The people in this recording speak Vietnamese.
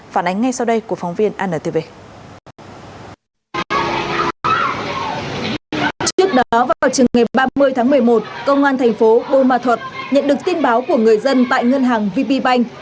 trước đó vào trường ngày ba mươi tháng một mươi một công an thành phố bô ma thuật nhận được tin báo của người dân tại ngân hàng vp bank